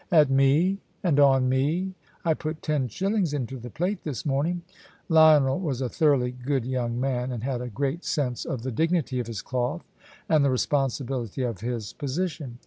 "At me, and on me. I put ten shillings into the plate this morning." Lionel was a thoroughly good young man, and had a great sense of the dignity of his cloth and the responsibility of his position.